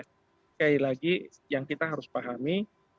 sekali lagi yang kita harus pahami